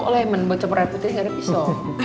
oh iya tadi lupa